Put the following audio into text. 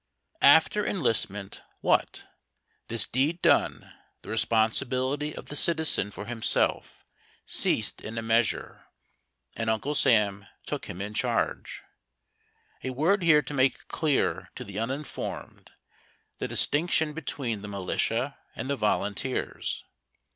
FTER eijlistment, what? This deed done, the responsibility of the citi zen for himself ceased in a measure, and Uncle Sam took him in charge. A word here to make clear to the uninformed the distinction between the militia and the volunteers.